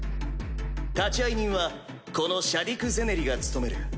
立会人はこのシャディク・ゼネリが務める。